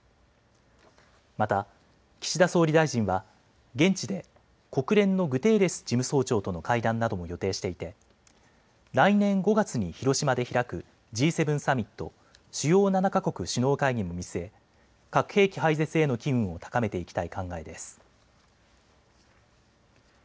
また岸田総理大臣は現地で国連のグテーレス事務総長との会談なども予定していて来年５月に広島で開くＧ７サミット、主要７か国首脳会議も見据え、核兵器廃絶への機運を高めていきたい考えです。